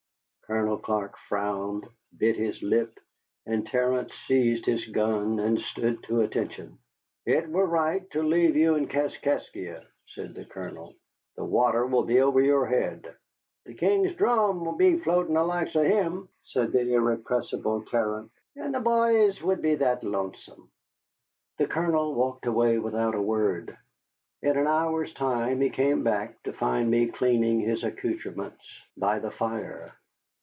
Colonel Clark frowned, bit his lip, and Terence seized his gun and stood to attention. "It were right to leave you in Kaskaskia," said the Colonel; "the water will be over your head." "The King's drum would be floatin' the likes of him," said the irrepressible Terence, "and the b'ys would be that lonesome." The Colonel walked away without a word. In an hour's time he came back to find me cleaning his accoutrements by the fire.